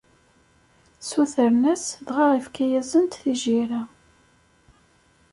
Ssutren-as, dɣa ifka-yasen-d tijirra.